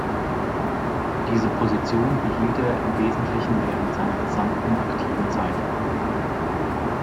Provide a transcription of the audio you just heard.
Diese Position behielt er im Wesentlichen während seiner gesamten aktiven Zeit.